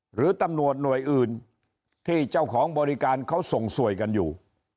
หรือตำรวจหน่วยอื่นที่เจ้าของบริการเขาส่งสวยกันอยู่